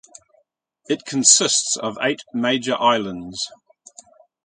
It consists of eight major islands.